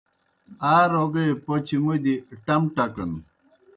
آ روگے پوْچہ موْودیْ ٹم ٹکَن۔